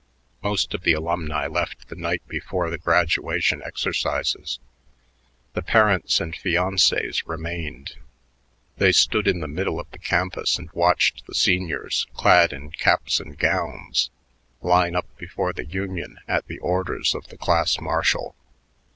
Most of the alumni left the night before the graduation exercises. The parents and fiancées remained. They stood in the middle of the campus and watched the seniors, clad in caps and gowns, line up before the Union at the orders of the class marshal.